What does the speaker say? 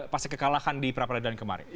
pasti kekalahan di peradilan kemarin